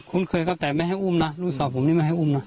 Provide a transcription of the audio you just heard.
เคยครับแต่ไม่ให้อุ้มนะลูกสาวผมนี่ไม่ให้อุ้มนะ